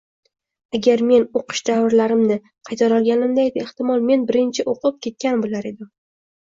Agar men oʻqish davrlarimi qaytarolganimda edi, ehtimol, men birinchi oʻqib, ketgan boʻlar edim.